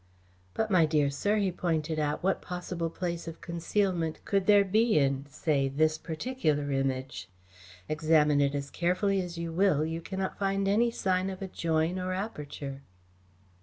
"But, my dear sir," he pointed out, "what possible place of concealment could there be in, say, this particular Image? Examine it as carefully as you will, you cannot find any sign of a join or aperture."